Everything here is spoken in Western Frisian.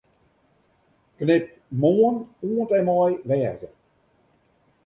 Knip 'Moarn' oant en mei 'wêze'.